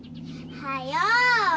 はよう。